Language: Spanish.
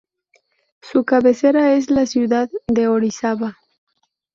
Su cabecera es la ciudad de Orizaba.